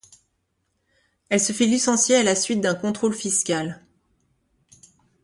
Elle se fait licencier à la suite d'un contrôle fiscal.